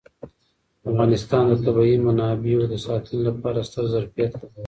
افغانستان د طبیعي منابعو د ساتنې لپاره ستر ظرفیت لري.